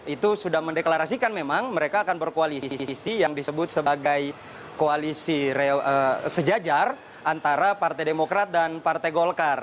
itu sudah mendeklarasikan memang mereka akan berkoalisi yang disebut sebagai koalisi sejajar antara partai demokrat dan partai golkar